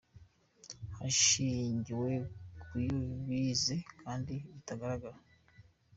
hashingiwe ku yo bize kandi bitagaragara.